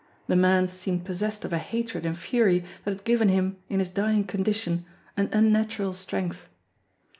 The man seemed possessed of a hatred and fury that had given him, in his dying condition, an unnatural strength.